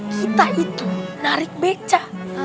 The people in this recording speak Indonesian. kita itu narik beca